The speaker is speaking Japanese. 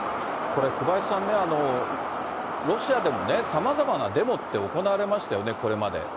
これ、小林さん、ロシアでもさまざまなデモって行われましたよね、これまで。